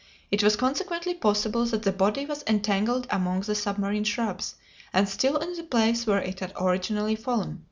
It was consequently possible that the body was entangled among the submarine shrubs, and still in the place where it had originally fallen.